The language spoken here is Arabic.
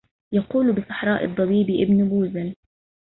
يقول بصحراء الضبيب ابن بوزل